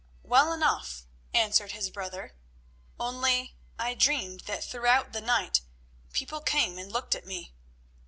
"Well enough," answered his brother, "only I dreamed that throughout the night people came and looked at me."